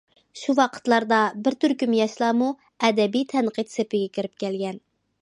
شۇ ۋاقىتلاردا بىر تۈركۈم ياشلارمۇ ئەدەبىي تەنقىد سېپىگە كىرىپ كەلگەن.